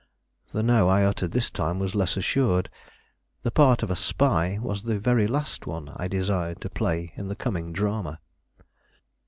The no I uttered this time was less assured; the part of a spy was the very last one I desired to play in the coming drama.